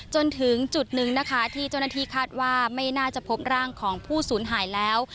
จนถึงจุดหนึ่งนะคะที่เจ้าหน้าที่คาดว่าไม่น่าจะพบร่างของผู้สูญหายแล้ว